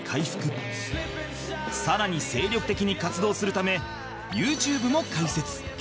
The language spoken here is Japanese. さらに精力的に活動するため ＹｏｕＴｕｂｅ も開設